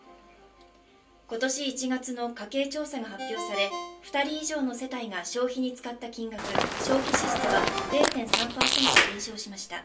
今年１月の家計調査が発表され２人以上の世帯が消費に使った金額、消費支出は０．３％減少しました。